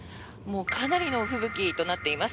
かなりの吹雪となっています。